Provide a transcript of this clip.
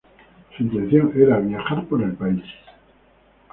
Su intención era viajar por el país.